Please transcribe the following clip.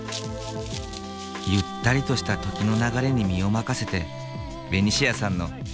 ゆったりとした時の流れに身を任せてベニシアさんの手づくりの日々は続く。